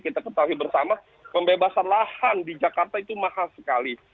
kita ketahui bersama pembebasan lahan di jakarta itu mahal sekali